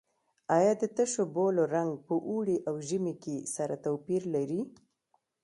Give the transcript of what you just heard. آیا د تشو بولو رنګ په اوړي او ژمي کې سره توپیر لري؟